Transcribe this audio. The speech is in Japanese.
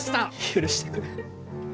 許してくれ